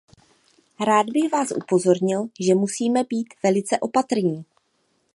Rád bych vás upozornil, že musíme být velice opatrní.